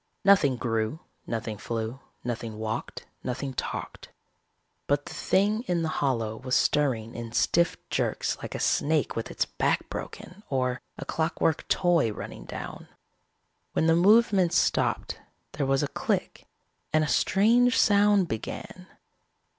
Nothing grew, nothing flew, nothing walked, nothing talked. But the thing in the hollow was stirring in stiff jerks like a snake with its back broken or a clockwork toy running down. When the movements stopped, there was a click and a strange sound began.